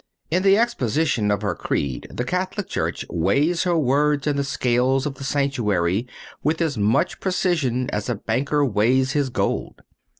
In the exposition of her Creed the Catholic Church weighs her words in the scales of the sanctuary with as much precision as a banker weighs his gold.